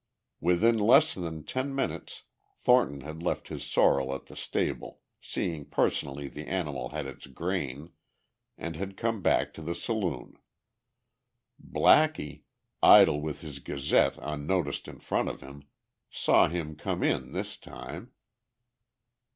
Within less than ten minutes Thornton had left his sorrel at the stable, seeing personally the animal had its grain, and had come back to the saloon. Blackie, idle with his gazette unnoticed in front of him, saw him come in this time.